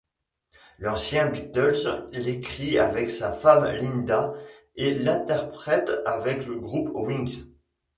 L'ancien Beatles l'écrit avec sa femme Linda et l'interprète avec le groupe Wings.